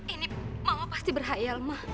ini mama pasti berkhayal ma